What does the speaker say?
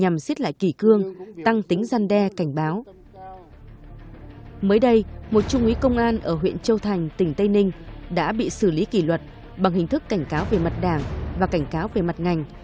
mới đây một trung úy công an ở huyện châu thành tỉnh tây ninh đã bị xử lý kỷ luật bằng hình thức cảnh cáo về mặt đảng và cảnh cáo về mặt ngành